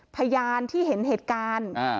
พยานที่เห็นเหตุการณ์